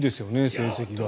成績が。